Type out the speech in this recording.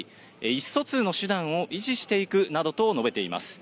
意思疎通の手段を維持していくなどと述べています。